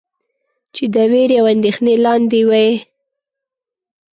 چې د وېرې او اندېښنې لاندې وئ.